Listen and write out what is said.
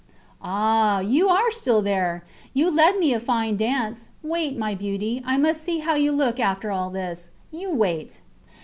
Ah! You are still there. You led me a fine dance. Wait, my beauty, I must see how you look after all this. You wait.